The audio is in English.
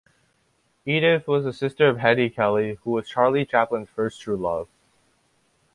Edith was the sister of Hetty Kelly, who was Charlie Chaplin's first true love.